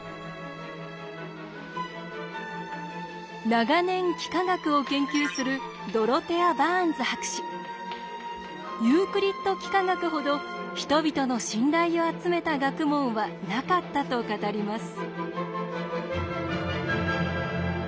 長年幾何学を研究するユークリッド幾何学ほど人々の信頼を集めた学問はなかったと語ります。